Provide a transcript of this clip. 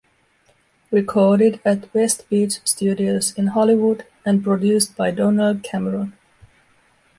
Recorded at Westbeach Studios in Hollywood, and produced by Donnell Cameron.